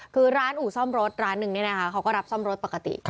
คือร้านอู่ซ่อมรถร้านหนึ่งเนี่ยนะคะเขาก็รับซ่อมรถปกติ